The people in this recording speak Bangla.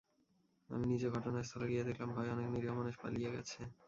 আমি নিজে ঘটনাস্থলে গিয়ে দেখলাম ভয়ে অনেক নিরীহ মানুষ পালিয়ে গেছে।